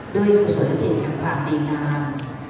ด้วยส่วนจิตของความดีงาม